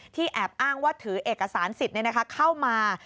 แอบอ้างว่าถือเอกสารสิทธิ์เข้ามา